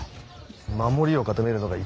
守りを固めるのが一番だと思う。